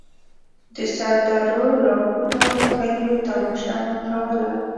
سردرو، لاښونو، کليو تماشه مو کوله.